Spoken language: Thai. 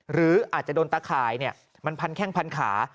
หรืออาจจะโดนตะข่ายมันพันแข้งพันขา